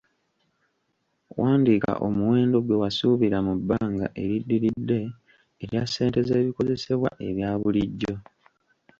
Wandiika omuwendo gwe wasuubira mu bbanga eriddiridde erya ssente z’ebikozesebwa ebyabulijjo.